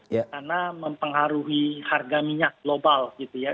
karena mempengaruhi harga minyak global gitu ya